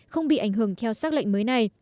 không bị ảnh hưởng theo xác lệnh mới này